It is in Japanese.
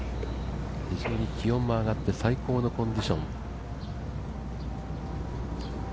非常に気温が上がって最高のコンディション。